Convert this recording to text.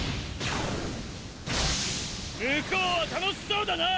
向こうは楽しそうだなァ。